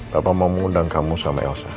bapak mau mengundang kamu sama elsa